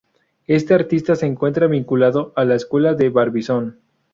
Este artista se encuentra vinculado a la Escuela de Barbizon.